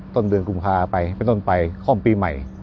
ต้นเดือนกุมภาคมไปไปต้นไปข้อมปีใหม่